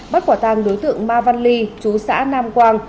bắt quả tàng đối tượng ma văn ly chú xã nam quang